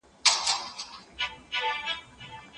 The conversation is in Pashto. د يوسف عليه السلام صبر او تقوا ضعيف ايمانونه قوي کوي.